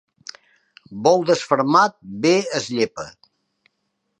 Bou desfermat bé es llepa.